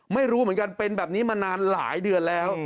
ไม่รู้เหมือนกันเป็นแบบนี้มานานหลายเดือนแล้ว